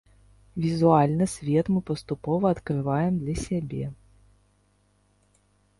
Візуальна свет мы паступова адкрываем для сябе.